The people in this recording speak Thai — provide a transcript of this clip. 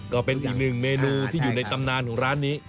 ก็เป็นอีกหนึ่งเมนูที่อยู่ในตำนานของร้านนี้